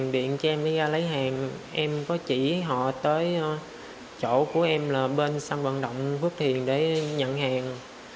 điện cho em đi ra lấy hàng em có chỉ họ tới chỗ của em là bên sân vận động phước thiền để nhận hàng